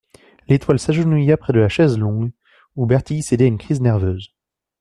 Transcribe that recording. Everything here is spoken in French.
L'étoile s'agenouilla près de la chaise longue, où Bertile cédait à une crise nerveuse.